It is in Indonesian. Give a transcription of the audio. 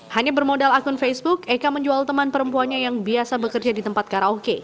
hanya bermodal akun facebook eka menjual teman perempuannya yang biasa bekerja di tempat karaoke